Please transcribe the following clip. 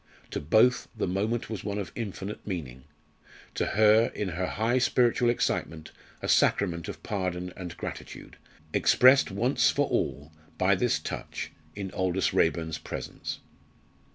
To both the moment was one of infinite meaning; to her, in her high spiritual excitement, a sacrament of pardon and gratitude expressed once for all by this touch in Aldous Raeburn's presence.